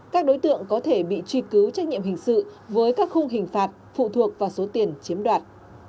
các đối tượng có thể bị truy cứu trách nhiệm hình sự với các khung hình phạt phụ thuộc vào số tiền chiếm đoạt